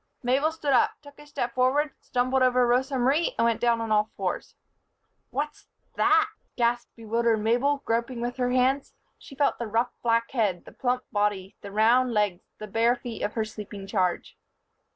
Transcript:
Mabel stood up, took a step forward, stumbled over Rosa Marie and went down on all fours. "What's that!" gasped bewildered Mabel, groping with her hands. She felt the rough black head, the plump body, the round legs, the bare feet of her sleeping charge.